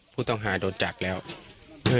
ผู้ต้องหาโดนจับแล้ว